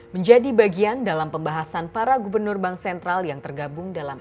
menjadi bagian dalam pembahasan para gubernur bank sentral yang tergabung dalam